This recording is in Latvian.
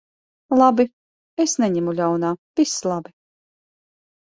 Labi. Es neņemu ļaunā. Viss labi.